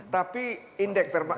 tapi indeks terbatas